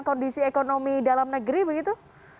kondisi ekonomi dalam negeri begitu